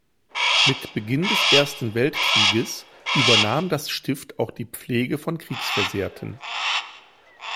Mit Beginn des Ersten Weltkrieges übernahm das Stift auch die Pflege von Kriegsversehrten.